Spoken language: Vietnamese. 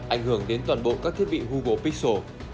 ảnh hưởng đến toàn bộ các thiết bị google pixi